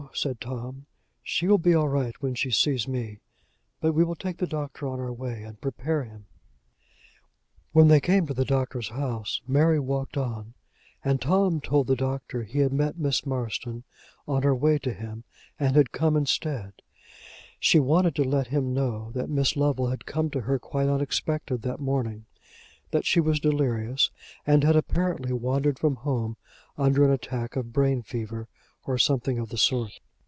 said Tom. "She will be all right when she sees me. But we will take the doctor on our way, and prepare him." When they came to the doctor's house, Mary walked on, and Tom told the doctor he had met Miss Marston on her way to him, and had come instead: she wanted to let him know that Miss Lovel had come to her quite unexpected that morning; that she was delirious, and had apparently wandered from home under an attack of brain fever, or something of the sort.